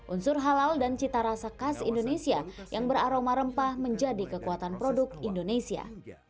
unsur halal dan cita rasa khas indonesia yang beraroma rempah menjadi kekuatan produk indonesia